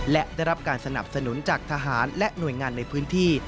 และได้รับการสนับสนุนจากทหารและหน่วยงานในพื้นที่